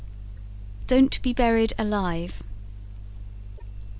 DON'T BE BURIED ALIVE.